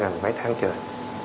mấy tháng trời